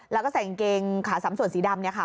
แล้วก็ใส่กางเกงขาสามส่วนสีดำ